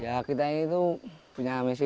ya kita punya ini tuh punya misi